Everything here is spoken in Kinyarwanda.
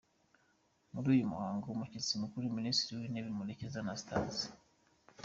Muri uyu muhango umushyitsi Mukuru yari Minisitiri w’Intebe Murekezi Anastase